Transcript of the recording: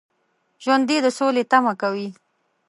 ژوندي د سولې تمه کوي